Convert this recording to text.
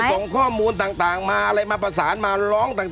ส่งข้อมูลต่างมาอะไรมาประสานมาร้องต่าง